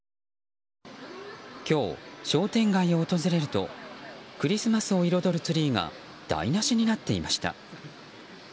今日、商店街を訪れるとクリスマスを彩るツリーが台無しになっていました。